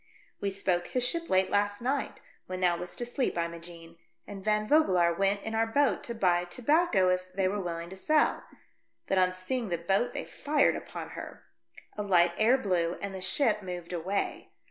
" We spoke his ship late last night, when thou wast asleep, Imogenc, and Van Vogelaar went in our boat to buy tobacco, if they were willing to sell, but on seeing the boat they fired upon her. A light air blew, and the ship moved away.